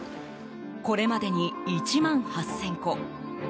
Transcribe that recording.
これまでに１万８０００個。